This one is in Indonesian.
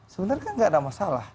sebenarnya kan nggak ada masalah